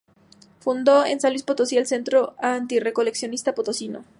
Fundó en San Luis Potosí el Centro Antirreeleccionista Potosino.